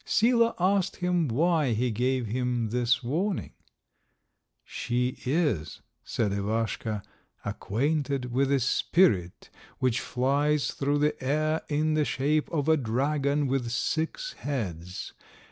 Sila asked him why he gave him this warning. "She is," said Ivaschka, "acquainted with a spirit which flies through the air in the shape of a dragon with six heads.